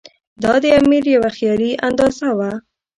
دا د امیر یوه خیالي اندازه وه.